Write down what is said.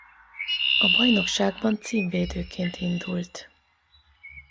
A bajnokságban címvédőként indult.